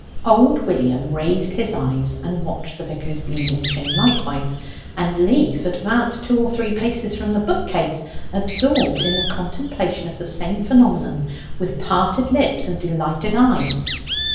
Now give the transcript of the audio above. Old William raised his eyes and watched the vicar's bleeding chin likewise; and Leaf advanced two or three paces from the bookcase, absorbed in the contemplation of the same phenomenon, with parted lips and delighted eyes.